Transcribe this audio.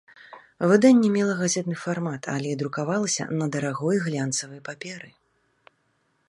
Выданне мела газетны фармат, але друкавалася на дарагой глянцавай паперы.